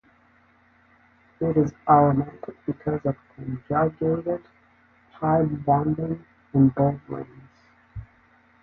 It is aromatic because of conjugated pi bonding in both rings.